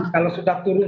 kalau sudah turun